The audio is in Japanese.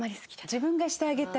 自分がしてあげたいんだ？